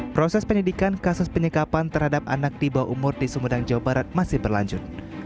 proses penyidikan kasus penyekapan terhadap anak di bawah umur di sumedang jawa barat masih berlanjut